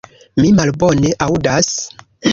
Mi malbone aŭdas.